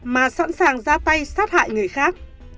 mà sẵn sàng ra tay sát hại người khác